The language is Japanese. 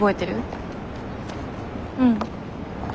うん。